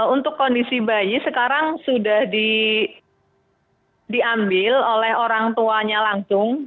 untuk kondisi bayi sekarang sudah diambil oleh orang tuanya langsung